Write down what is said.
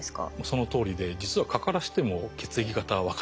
そのとおりで実は蚊からしても血液型は分からないです。